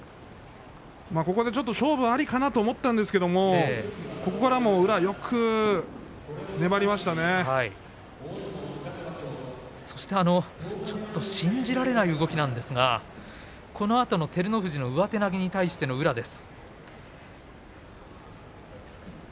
勝負ありかなと思ったんですけれどもそして信じられない動きなんですがこのあとの照ノ富士の上手投げに対しての宇良です。